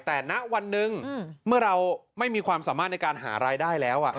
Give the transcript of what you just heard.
แต่ณวันหนึ่งเมื่อเราไม่มีความสามารถในการหารายได้แล้ว